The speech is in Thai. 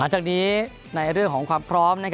จากนี้ในเรื่องของความพร้อม